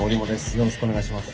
よろしくお願いします。